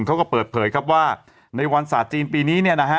เขาก็เปิดเผยว่าในวันศาสตร์จีนปีนี้